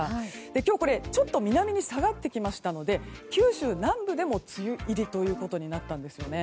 今日、ちょっと南に下がってきましたので九州南部でも梅雨入りになったんですよね。